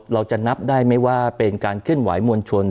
เราจะนับได้ไหมว่าเป็นการเคลื่อนไหวมวลชน